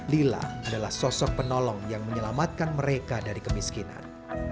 lila adalah sosok penolong yang menyelamatkan mereka dari kemiskinan